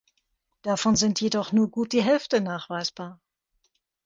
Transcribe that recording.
Davon sind jedoch nur gut die Hälfte nachweisbar.